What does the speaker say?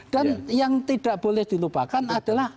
dan yang tidak boleh dilupakan adalah